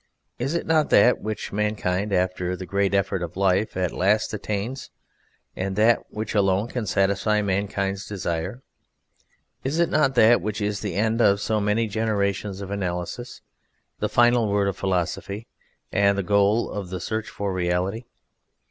Is it not that which Mankind, after the great effort of life, at last attains, and that which alone can satisfy Mankind's desire? Is it not that which is the end of so many generations of analysis, the final word of Philosophy, and the goal of the search for reality?